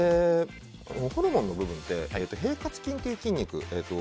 ホルモンの部分って平滑筋という筋肉が。